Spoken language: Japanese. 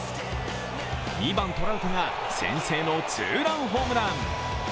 ２番・トラウトが先制のツーランホームラン。